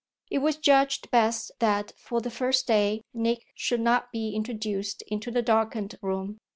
It was judged best that for the first day Nick should not be introduced into the darkened room.